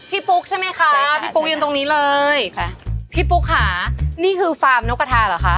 ปุ๊กใช่ไหมคะพี่ปุ๊กยืนตรงนี้เลยค่ะพี่ปุ๊กค่ะนี่คือฟาร์มนกกระทาเหรอคะ